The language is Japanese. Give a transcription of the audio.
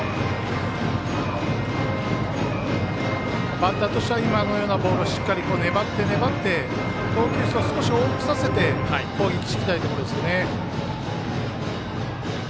バッターとしては今のようなボールをしっかり、粘って粘って投球数を少し多くさせて攻撃していきたいところですね。